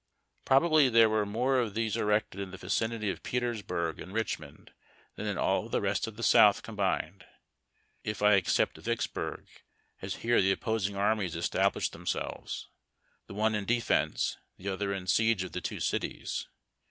Probably there were more of these erected in the vicinity of Petersburg and Richmond than in all the rest of the South combined, if I except Vicksburg, as here the opposing armies established themselves — the one in defence, the other in siege of the two cities.